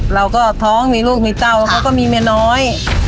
เราก็ท้องเหมียวว่ามีลูกโต้คักว่ามีแม่น้อย